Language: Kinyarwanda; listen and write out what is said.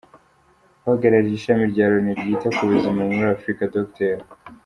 Uhagarariye Ishami rya Loni ryita ku buzima muri Afurika Dr.